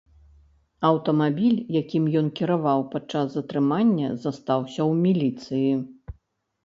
Аўтамабіль, якім ён кіраваў падчас затрымання, застаўся ў міліцыі.